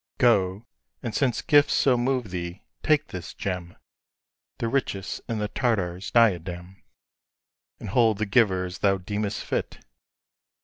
Go: and since gifts so move thee, take this gem, The richest in the Tartar's diadem, And hold the giver as thou deemest fit!"